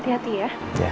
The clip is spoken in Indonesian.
aku pergi dulu ya